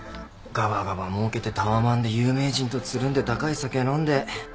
がばがばもうけてタワマンで有名人とつるんで高い酒飲んで。